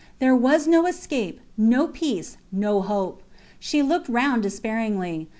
There was no escape, no peace, no hope. She looked round despairingly.